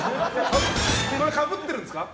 これかぶってるんですか？